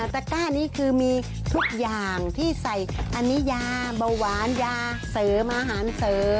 ตะก้านี้คือมีทุกอย่างที่ใส่อันนี้ยาเบาหวานยาเสริมอาหารเสริม